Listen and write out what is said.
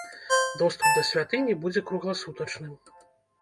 Доступ да святыні будзе кругласутачным.